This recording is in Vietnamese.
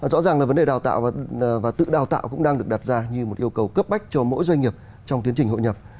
rõ ràng là vấn đề đào tạo và tự đào tạo cũng đang được đặt ra như một yêu cầu cấp bách cho mỗi doanh nghiệp trong tiến trình hội nhập